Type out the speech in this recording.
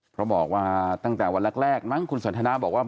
เพราะบอกว่าตั้งแต่วันแรกมั้งคุณสันทนาบอกว่า